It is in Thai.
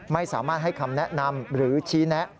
ไม่สามารถให้คำแนะนำหรือชี้แนะ